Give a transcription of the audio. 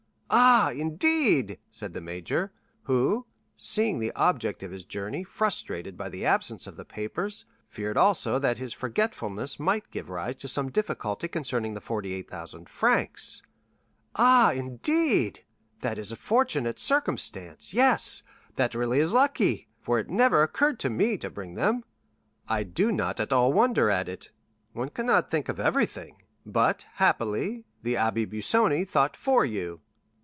"Ah, indeed?" said the major, who, seeing the object of his journey frustrated by the absence of the papers, feared also that his forgetfulness might give rise to some difficulty concerning the 48,000 francs—"ah, indeed, that is a fortunate circumstance; yes, that really is lucky, for it never occurred to me to bring them." "I do not at all wonder at it—one cannot think of everything; but, happily, the Abbé Busoni thought for you."